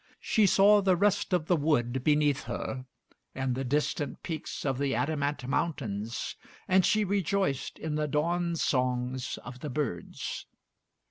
She saw the rest of the wood beneath her, and the distant peaks of the Adamant Mountains; and she rejoiced in the dawn songs of the birds.